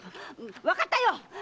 わかったよ‼